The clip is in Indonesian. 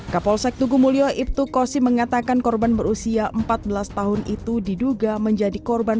kapolsek tugu mulyo ibtu kosi mengatakan korban berusia empat belas tahun itu diduga menjadi korban